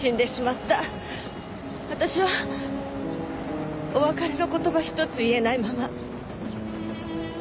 私はお別れの言葉ひとつ言えないまま。